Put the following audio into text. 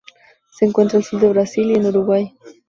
Se encuentra al sur del Brasil y en Uruguay.